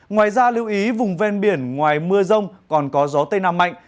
ngoài ra lưu ý vùng ven biển ngoài mưa rông còn có gió tây nam mạnh